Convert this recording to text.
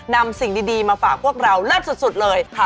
นำสิ่งดีมาฝากพวกเรานัดสุดเลยค่ะลูก